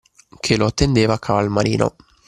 Che lo attendeva a Caval Marino